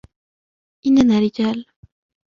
إننا رجال.